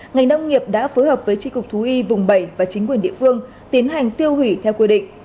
ngành nông nghiệp đã phối hợp với tri cục thú y vùng bảy và chính quyền địa phương tiến hành tiêu hủy theo quy định